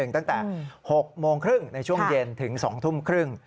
ตั้งแต่๖โมงครึ่งในช่วงเย็นถึง๒ทุ่มครึ่ง